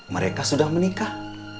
mereka sudah menikah